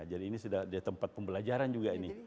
jadi ini sudah tempat pembelajaran juga ini